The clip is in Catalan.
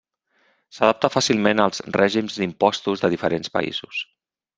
S'adapta fàcilment als règims d'impostos de diferents països.